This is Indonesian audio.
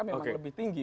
memang lebih tinggi